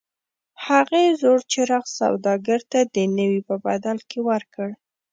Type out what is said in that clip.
هغې زوړ څراغ سوداګر ته د نوي په بدل کې ورکړ.